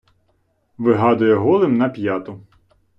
Вигадує голим на п'яту.